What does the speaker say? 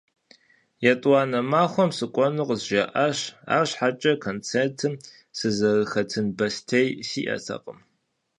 ЕтӀуанэ махуэм сыкӀуэну къызжаӀащ, арщхьэкӀэ концертым сызэрыхэтын бостей сиӀэтэкъым.